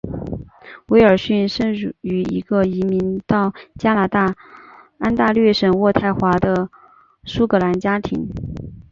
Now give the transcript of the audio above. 威尔逊生于一个移民到加拿大安大略省渥太华的苏格兰家庭。